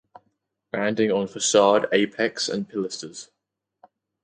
Banding on facade apex and pilasters.